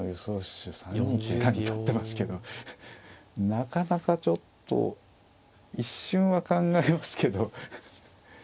手３二桂成となってますけどなかなかちょっと一瞬は考えますけど。